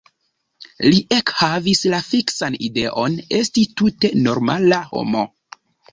Li ekhavis la fiksan ideon esti tute normala homo.